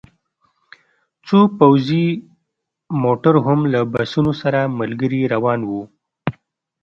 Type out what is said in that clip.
څو پوځي موټر هم له بسونو سره ملګري روان وو